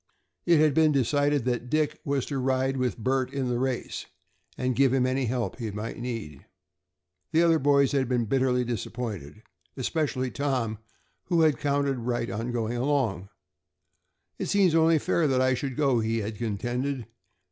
It had been decided that Dick was to ride with Bert in the race, and give him any help that he might need. The other boys had been bitterly disappointed, especially Tom, who had counted right along on going. "It only seems fair that I should go," he had contended.